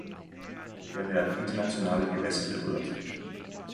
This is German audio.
Hier werden internationale Gewässer berührt.